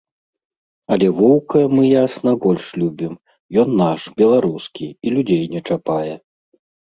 Але воўка, мы ясна, больш любім, ён наш, беларускі, і людзей не чапае.